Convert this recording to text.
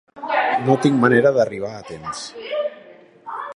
No tinc manera d'arribar a temps.